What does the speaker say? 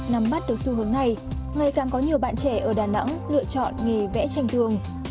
nắm mắt được xu hướng này ngày càng có nhiều bạn trẻ ở đà nẵng lựa chọn nghề vẽ tranh tường